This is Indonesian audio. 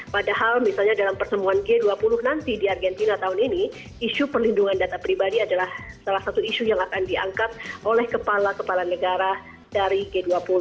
padahal misalnya dalam pertemuan g dua puluh nanti di argentina tahun ini isu perlindungan data pribadi adalah salah satu isu yang akan diangkat oleh kepala kepala negara dari g dua puluh